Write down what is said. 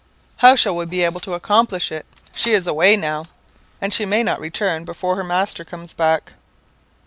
"'How shall we be able to accomplish it? She is away now, and she may not return before her master comes back.'